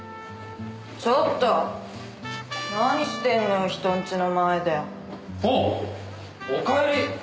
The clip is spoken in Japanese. ちょっと何してんのよ人んちの前で。おぉお帰り！